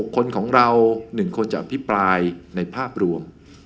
คนของเรา๑คนจะอภิปรายในภาพรวม